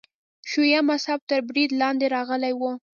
شیعه مذهب تر برید لاندې راغلی و.